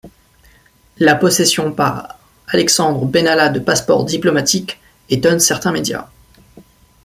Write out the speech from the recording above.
La possession par Alexandre Benalla de passeports diplomatiques étonne certains médias.